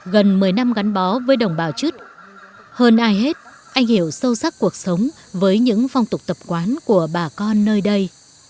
gần một mươi năm gắn bó với đồng bào chứt hơn ai hết anh hiểu sâu sắc cuộc sống với những phong tục tập quán của bà con nơi đây